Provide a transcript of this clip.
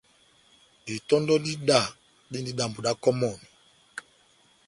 Itɔndɔ dá ida dindi dambi da kɔmɔni